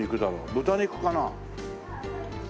豚肉かな。